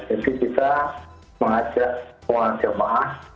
jadi kita mengajak orang jemaah